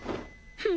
フン。